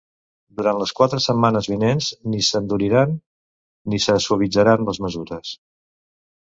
Durant les quatre setmanes vinents ni s’enduriran ni se suavitzaran les mesures.